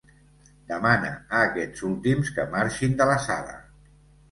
Demana a aquests últims que marxin de la sala.